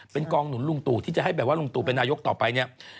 เป็นกองหนุนลุงตู่ที่จะให้แบบว่าลุงตู่เป็นนายกต่อไปเนี่ย